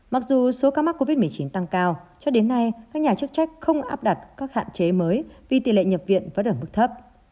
mặc dù số ca mắc covid một mươi chín tăng cao cho đến nay các nhà chức trách không áp đặt các hạn chế mới vì tỷ lệ nhập viện vẫn ở mức thấp